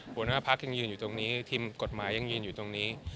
หัวหน้าพักยังยืนอยู่ตรงนี้ทีมกฎหมายยังยืนอยู่ตรงนี้